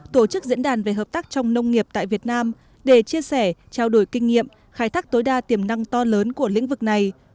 tổ chức diễn đàn về hợp tác trong nông nghiệp tại việt nam để chia sẻ trao đổi kinh nghiệm khai thác tối đa tiềm năng to lớn của lĩnh vực này